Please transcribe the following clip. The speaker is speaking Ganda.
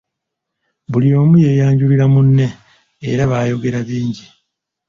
Buli omu yeeyanjulira munne era baayogera bingi.